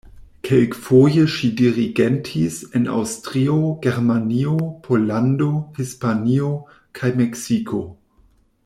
Kelkfoje ŝi dirigentis en Aŭstrio, Germanio, Pollando, Hispanio, kaj Meksiko.